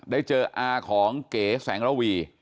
ได้เจออาของเก๋แสงระวี